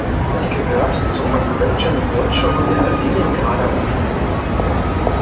Sie gehört zum Rajon Wolchow der Leningrader Oblast.